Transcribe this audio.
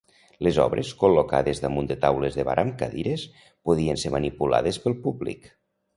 Les obres, col·locades damunt de taules de bar amb cadires, podien ser manipulades pel públic.